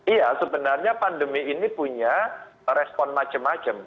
iya sebenarnya pandemi ini punya respon macam macam